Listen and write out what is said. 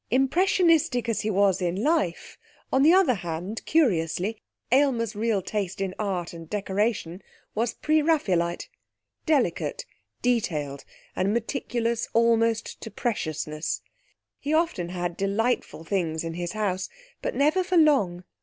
Impressionistic as he was in life, on the other hand, curiously, Aylmer's real taste in art and decoration was Pre Raphaelite; delicate, detailed and meticulous almost to preciousness. He often had delightful things in his house, but never for long.